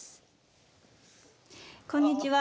こんにちは。